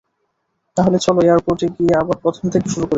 তাহলে চলো এয়ারপোর্টে গিয়ে আবার প্রথম থেকে শুরু করি।